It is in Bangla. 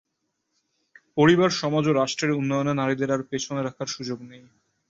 পরিবার, সমাজ ও রাষ্ট্রের উন্নয়নে নারীদের আর পেছনে রাখার সুযোগ নেই।